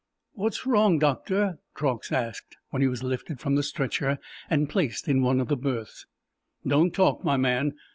"What's wrong, Doctor?" Truax asked, when he was lifted from the stretcher and placed in one of the berths. "Don't talk, my man.